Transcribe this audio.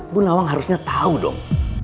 bunda wang harusnya tahu dong